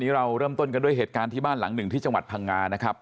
เราเริ่มต้นกันด้วยเหตุการณ์ที่บ้านหลังหนึ่งที่จังหวัดพังงานะครับ